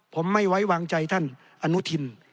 ผมไม่ไว้วางใจท่านอนุทิน